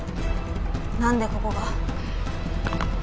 何でここが？